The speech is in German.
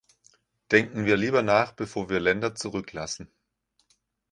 Denken wir lieber nach, bevor wir Länder zurücklassen.